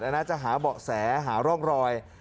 น่าจะหาเบาะแสหาร่องรอย